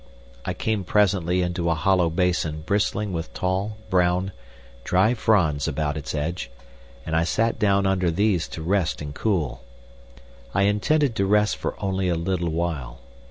I came presently into a hollow basin bristling with tall, brown, dry fronds about its edge, and I sat down under these to rest and cool. I intended to rest for only a little while.